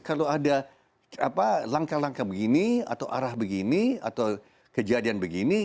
kalau ada langkah langkah begini atau arah begini atau kejadian begini